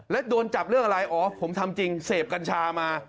แล้วโดนจับเรื่องอะไรอ๋อผมทำจริงเสพกัญชามา